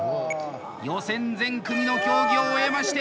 予選全組の競技を終えまして